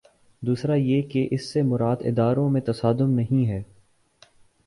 دوسرا یہ کہ اس سے مراد اداروں میں تصادم نہیں ہے۔